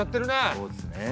そうですね。